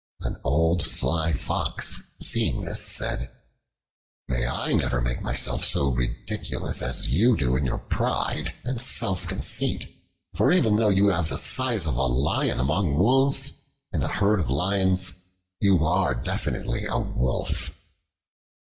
An old sly Fox, seeing this, said, "May I never make myself so ridiculous as you do in your pride and self conceit; for even though you have the size of a lion among wolves, in a herd of lions you are definitely a wolf."